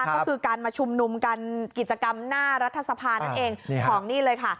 ก็คือการมาชุมนุมกันกิจกรรมหน้ารัฐสภานั่นเองของนี่เลยค่ะ